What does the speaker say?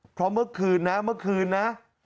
เพราะเมื่อคืนนะเมื่อคืนนะ